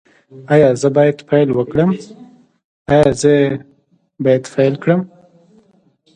ایا زه باید پیل کړم؟